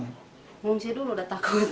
mengungsi dulu udah takut